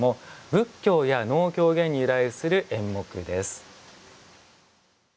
「仏教や能・狂言に由来する演目」です。